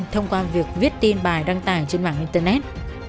thông qua việc viết tin bài đăng tải trên mạng internet